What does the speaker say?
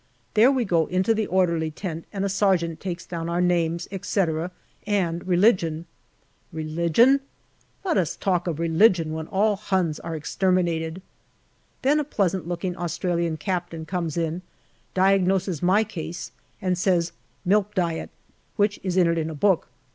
Then we go into the orderly tent, and a sergeant takes down our names, etc., and religion. Religion ! Let us talk of religion when all Huns are exter minated. Then a pleasant looking Australian Captain comes in, diagnoses my case, and says " Milk diet," which is entered in a book.